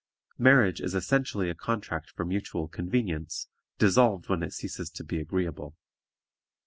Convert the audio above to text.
Marriage is essentially a contract for mutual convenience, dissolved when it ceases to be agreeable.